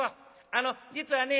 あの実はね